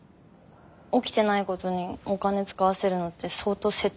起きてないことにお金使わせるのって相当説得力いるから。